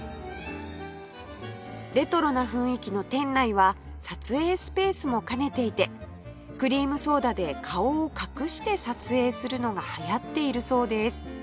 レトロな雰囲気の店内は撮影スペースも兼ねていてクリームソーダで顔を隠して撮影するのが流行っているそうです